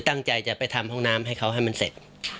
ตั้งใจจะไปทำห้องน้ำให้เขาให้มันเสร็จ